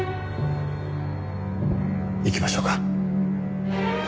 行きましょうか。